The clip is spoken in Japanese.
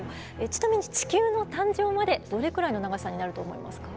ちなみに地球の誕生までどれくらいの長さになると思いますか？